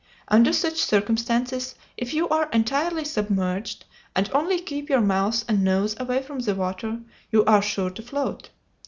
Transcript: Under such circumstances, if you are entirely submerged, and only keep your mouth and nose away from the water, you are sure to float.